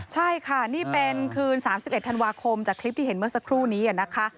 ใช่ค่ะนี่เป็นคืน๓๑ธันวาคมจากคลิปที่เห็นเมื่อสักครู่นี้นะคะ